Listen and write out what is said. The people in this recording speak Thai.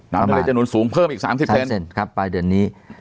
น้ำทะเลจะหนุนสูงเพิ่มอีก๓๐เซนครับปลายเดือนนี้